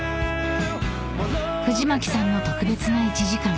［藤巻さんの特別な１時間。